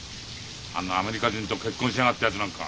あんなアメリカ人と結婚しやがったやつなんか。